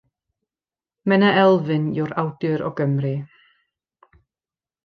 Menna Elfyn yw'r awdur o Gymru.